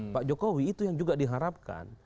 pak jokowi itu yang juga diharapkan